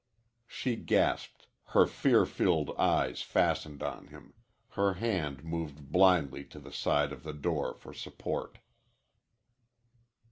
She gasped, her fear filled eyes fastened on him. Her hand moved blindly to the side of the door for support.